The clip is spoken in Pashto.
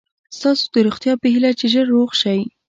ستاسو د روغتیا په هیله چې ژر روغ شئ.